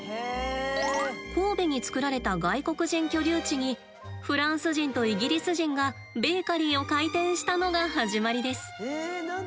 神戸に作られた外国人居留地にフランス人とイギリス人がベーカリーを開店したのが始まりです。